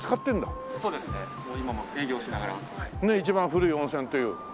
一番古い温泉という。